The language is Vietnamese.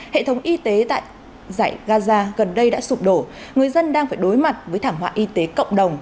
hệ thống y tế tại giải gaza gần đây đã sụp đổ người dân đang phải đối mặt với thảm họa y tế cộng đồng